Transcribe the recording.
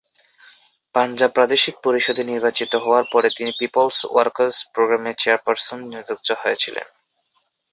পাঞ্জাব প্রাদেশিক পরিষদে নির্বাচিত হওয়ার পরে তিনি পিপলস ওয়ার্কার্স প্রোগ্রামের চেয়ারপারসন নিযুক্ত হয়েছিলেন।